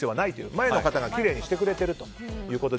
前の方がきれいにしてくれているということで。